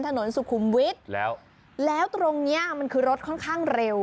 ถนนสุขุมวิทย์แล้วแล้วตรงเนี้ยมันคือรถค่อนข้างเร็ว